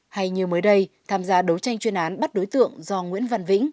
hay như mới đây tham gia đấu tranh chuyên án bắt đối tượng do nguyễn văn vĩnh